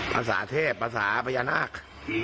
ภาษาเทพภาษาพญานาค